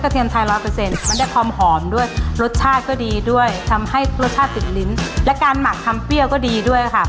ทำให้รสชาติติดลิ้นและการหมักทำเปรี้ยวก็ดีด้วยค่ะ